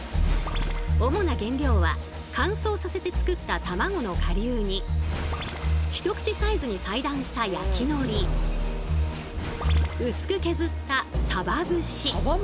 主な原料は乾燥させて作ったたまごの顆粒に一口サイズに裁断した焼きのり。薄く削ったさば節。